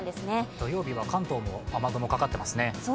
土曜日は関東も雨雲かかってますね。